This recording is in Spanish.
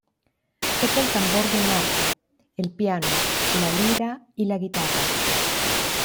Toca el tambor de marco, el piano, la lira y la guitarra.